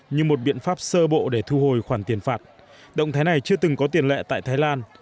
như một biện pháp sơ bộ để thu hồi khoản tiền phạt động thái này chưa từng có tiền lệ tại thái lan